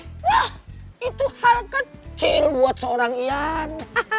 wah itu hal kecil buat seorang ian